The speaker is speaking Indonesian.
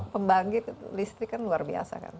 pembangkit listrik kan luar biasa kan